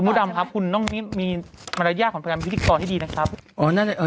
คุณผู้ดำครับคุณต้องมีมารยากษ์ของพระราชินิศพิวพิธีกรที่ดีนะครับ